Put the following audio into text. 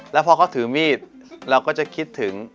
แล้วพอเขาถือมีดเราก็จะคิดถึง